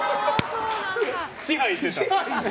支配してた。